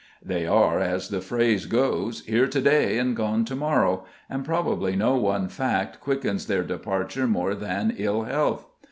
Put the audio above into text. They are, as the phrase goes, "Here to day and gone to morrow," and probably no one fact quickens their departure more than ill health.